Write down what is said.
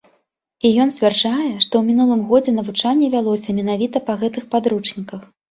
І ён сцвярджае, што ў мінулым годзе навучанне вялося менавіта па гэтых падручніках.